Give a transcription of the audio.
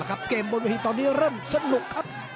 แล้วครับเกมบนวิทยาลัยตอนนี้เริ่มสนุกครับ